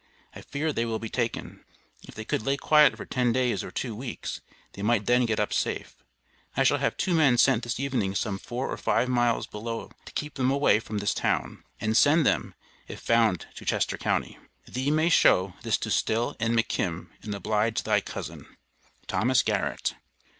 I fear they will be taken. If they could lay quiet for ten days or two weeks, they might then get up safe. I shall have two men sent this evening some four or five miles below to keep them away from this town, and send them (if found to Chester County). Thee may show this to Still and McKim, and oblige thy cousin, THOMAS GARRETT.